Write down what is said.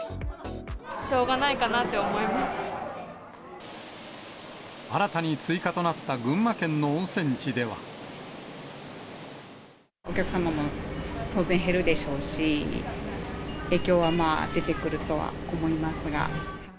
しょうがないかなって思いま新たに追加となった群馬県のお客様も当然減るでしょうし、影響はまあ、出てくるとは思いますが。